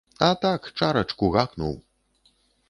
А так, чарачку гакнуў!